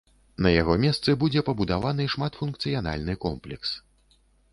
На яго месцы будзе пабудаваны шматфункцыянальны комплекс.